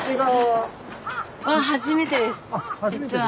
実は。